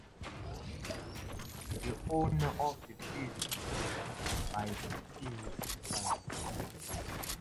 The owner of the field begins by cutting the principal rice.